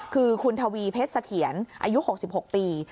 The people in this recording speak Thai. คือคุณทวีเพชรเสถียรอายุ๖๖ปี